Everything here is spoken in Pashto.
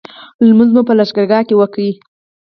لمونځ مو په لښکرګاه کې وکړ.